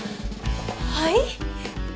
はい？